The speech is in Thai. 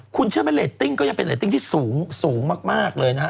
คุณเชื่อไหมเรตติ้งก็ยังเป็นเรตติ้งที่สูงมากเลยนะฮะ